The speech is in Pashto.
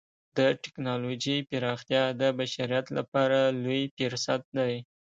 د ټکنالوجۍ پراختیا د بشریت لپاره لوی فرصت دی.